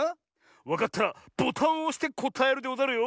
わかったらボタンをおしてこたえるでござるよ。